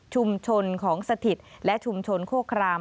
ชุมชนของสถิตและชุมชนโครคราม